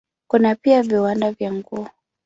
Kuna pia viwanda vya nguo.